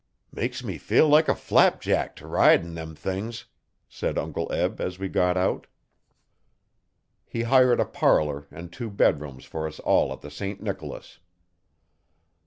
'Makes me feel like a flapjack t'ride 'n them things,' said Uncle Eb as we got out. He hired a parlour and two bedrooms for us all at the St Nicholas.